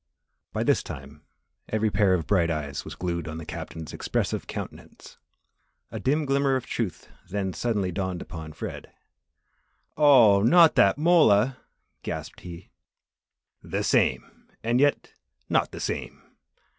By this time every pair of bright eyes was glued on the Captain's expressive countenance. A dim glimmer of the truth then suddenly dawned upon Fred. "Oh not that mola!" gasped he. "The same and yet, not the same!